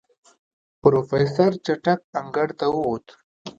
پروفيسر چټک انګړ ته ووت.